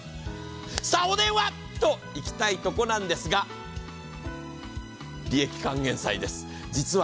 さあ、お電話といきたいとこなんですが利益還元祭です。